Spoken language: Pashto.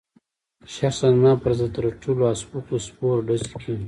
شخصاً زما پر ضد رټلو او سپکو سپور ډزې کېږي.